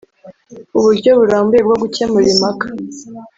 Uburyo burambuye bwo gukemura impaka